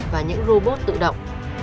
và những robot tự động